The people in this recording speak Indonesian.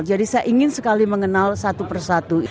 jadi saya ingin sekali mengenal satu persatu